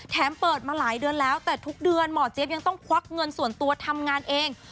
เปิดมาหลายเดือนแล้วแต่ทุกเดือนหมอเจี๊ยบยังต้องควักเงินส่วนตัวทำงานเอง